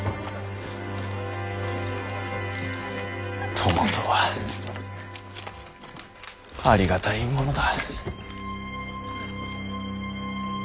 友とはありがたいものだ。